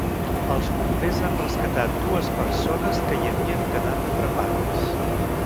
Els bombers han rescatat dues persones que hi havien quedat atrapades.